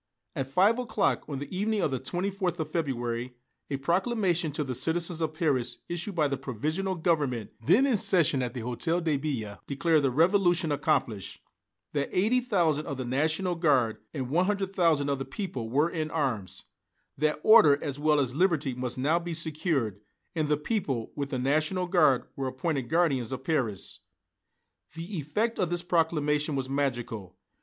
At five o'clock, on the evening of the 24th of February, a proclamation to the citizens of Paris, issued by the Provisional Government then in session at the Hôtel de Ville, declared the Revolution accomplished that eighty thousand of the National Guard and one hundred thousand of the people were in arms that order as well as liberty must now be secured, and the people, with the National Guard, were appointed guardians of Paris. The effect of this proclamation was magical.